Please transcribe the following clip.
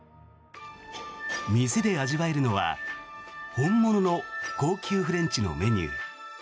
店で味わえるのは本物の高級フレンチのメニュー。